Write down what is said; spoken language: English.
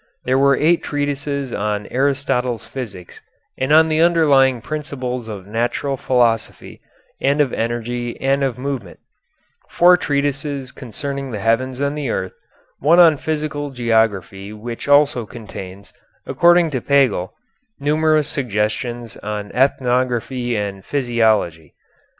There were eight treatises on Aristotle's physics and on the underlying principles of natural philosophy and of energy and of movement; four treatises concerning the heavens and the earth, one on physical geography which also contains, according to Pagel, numerous suggestions on ethnography and physiology.